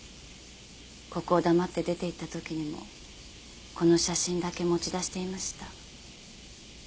ここを黙って出て行った時にもこの写真だけ持ち出していました。